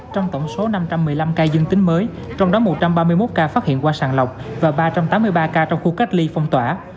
trong tổng số năm trăm một mươi năm ca dương tính mới trong đó một trăm ba mươi một ca phát hiện qua sàng lọc và ba trăm tám mươi ba ca trong khu cách ly phong tỏa